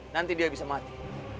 nanti dia bisa mati